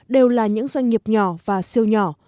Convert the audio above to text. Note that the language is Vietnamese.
đều là những doanh nghiệp nhỏ và siêu nhỏ